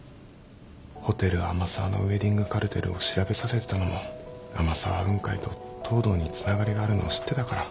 ホテル天沢のウエディングカルテルを調べさせてたのも天沢雲海と藤堂につながりがあるのを知ってたから。